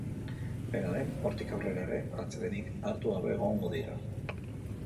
Dena den, hortik aurrera ere, atsedenik hartu gabe egongo dira.